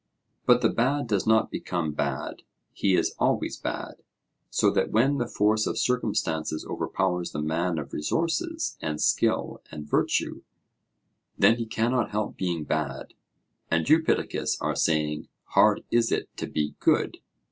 But the bad does not become bad; he is always bad. So that when the force of circumstances overpowers the man of resources and skill and virtue, then he cannot help being bad. And you, Pittacus, are saying, 'Hard is it to be good.'